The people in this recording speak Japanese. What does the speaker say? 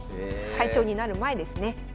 会長になる前ですね。